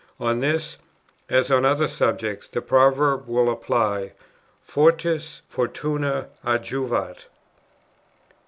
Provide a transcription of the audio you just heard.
On this, as on other subjects, the proverb will apply, 'Fortes fortuna adjuvat.'"